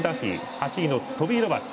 ８位のトビー・ロバーツ